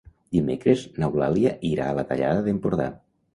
Dimecres n'Eulàlia irà a la Tallada d'Empordà.